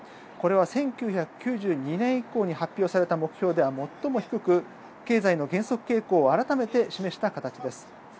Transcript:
これは１９９２年以降に発表された目標では最も低く、経済の減速傾向を改めて示した形です。